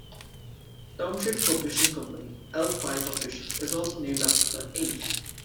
Townshend's publishing company, Eel Pie Publishing, is also named after the ait.